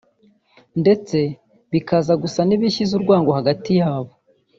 ndetse bikaza gusa n’ibishyize urwango hagati yabo